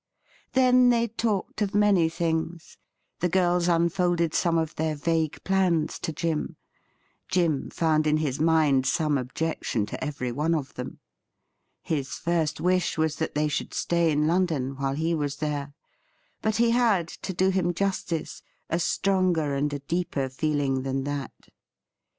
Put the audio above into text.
Then they talked of many things. The girls unfolded some of their vague plans to Jim ; Jim found in his mind some objection to every one of them. His first wish was that they should stay in London while he was there ; but he had, to do him justice, a stronger and a deeper feeling than that.